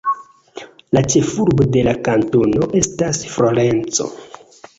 La ĉefurbo de la kantono estas Florence.